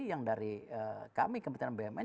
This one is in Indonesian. yang dari kami kementerian bumn